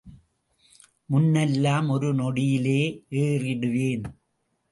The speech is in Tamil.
முன்னெல்லாம் ஒரு நொடியிலே ஏறிடுவேன்.